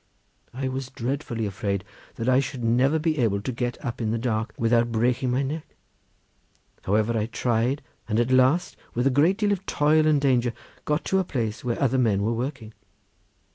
I was dreadfully afraid that I should never be able to get up in the dark without breaking my neck; however, I tried, and at last, with a great deal of toil and danger, got to a place where other men were working.